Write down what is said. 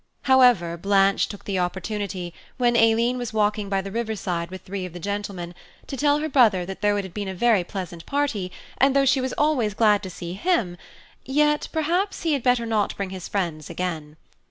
However, Blanche took the opportunity, when Aileen was walking by the river side with three of the gentlemen, to tell her brother that though it had been a very pleasant party, and though she was always glad to see him, yet, perhaps, he had better not bring his friends again.